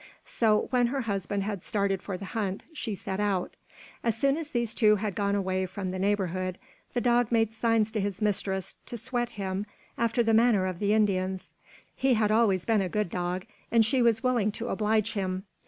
So, when her husband had started for the hunt, she set out. As soon as these two had gone away from the neighborhood, the dog made signs to his mistress to sweat him after the manner of the Indians. He had always been a good dog, and she was willing to oblige him.